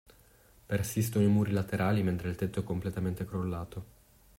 Persistono i muri laterali mentre il tetto è completamente crollato.